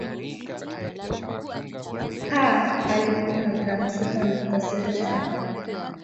aa alikutwa na grams sita nukta sita saba